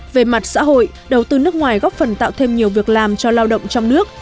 về mặt xã hội đầu tư nước ngoài góp phần tạo thêm nhiều việc làm cho lao động trong nước